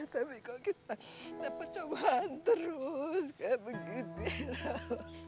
tapi kok kita dapet cobaan terus kayak begini lam